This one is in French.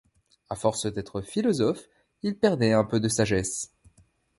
À force d’être philosophe, il perdait un peu de sagesse.